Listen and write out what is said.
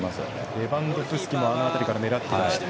レバンドフスキもあの辺りから狙っていきました。